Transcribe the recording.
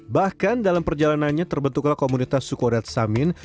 bahkan dalam perjalanannya terbentuklah komunitas sukodat samin